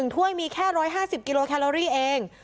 ถ้วยมีแค่๑๕๐กิโลแคลอรี่เอง